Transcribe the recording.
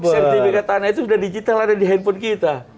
sertifikat tanah itu sudah digital ada di handphone kita